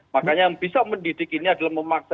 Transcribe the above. makanya yang bisa mendidik ini adalah memaksa